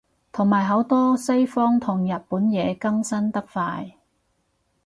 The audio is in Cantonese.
同埋好多西方同日本嘢更新得快